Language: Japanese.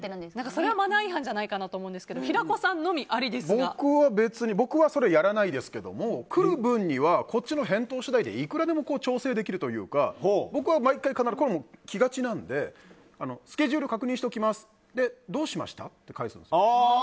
それはマナー違反じゃないかなと思うですけど僕はそれをやらないですけども別に来る分にはこっちの返答次第でいくらでも調整できるというか、僕は毎回来がちなのでスケジュール確認しておきますで、どうしましたって返すんです。